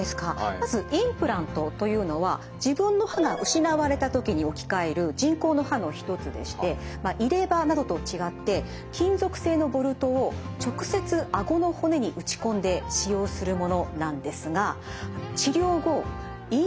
まずインプラントというのは自分の歯が失われた時に置き換える人工の歯の一つでしてまあ入れ歯などと違って金属製のボルトを直接あごの骨に打ち込んで使用するものなんですが治療後インプラント周囲